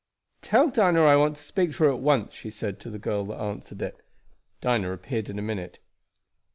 "Tell Dinah I want to speak to her at once," she said to the girl that answered it. Dinah appeared in a minute.